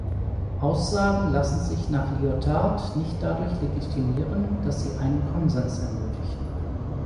Aussagen lassen sich nach Lyotard nicht dadurch legitimieren, dass sie einen Konsens ermöglichen.